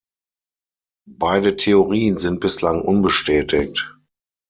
Beide Theorien sind bislang unbestätigt.